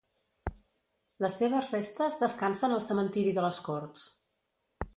Les seves restes descansen el cementiri de les Corts.